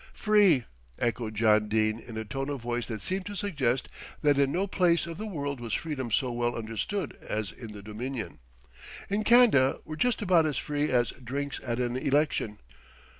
"Free," echoed John Dene in a tone of voice that seemed to suggest that in no place of the world was freedom so well understood as in the Dominion. "In Can'da we're just about as free as drinks at an election."